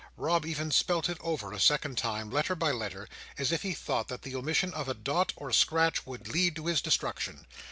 Rob even spelt it over a second time, letter by letter, as if he thought that the omission of a dot or scratch would lead to his destruction.